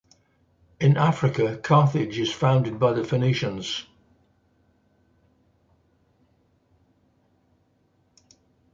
In Africa, Carthage is founded by the Phoenicians.